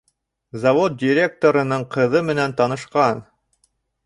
Завод директорының ҡыҙы менән танышҡан.